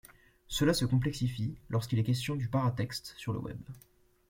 Cela se complexifie lorsqu’il est question du paratexte sur le Web.